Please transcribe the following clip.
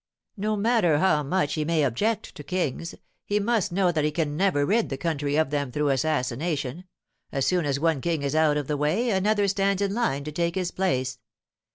No matter how much he may object to kings, he must know that he can never rid the country of them through assassination; as soon as one king is out of the way, another stands in line to take his place.